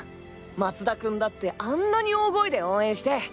松田君だってあんなに大声で応援して。